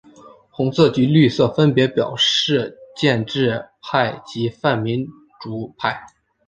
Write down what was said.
红色及绿色分别表示建制派及泛民主派。